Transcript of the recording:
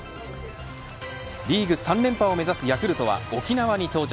リーグ３連覇を目指すヤクルトは沖縄に到着。